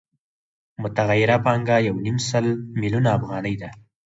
متغیره پانګه یو نیم سل میلیونه افغانۍ ده